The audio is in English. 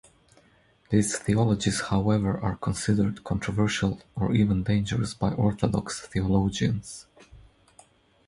These theologies, however, are considered controversial or even dangerous by orthodox theologians.